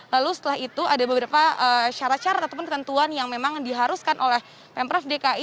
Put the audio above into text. lalu setelah itu ada beberapa syarat syarat ataupun ketentuan yang memang diharuskan oleh pemprov dki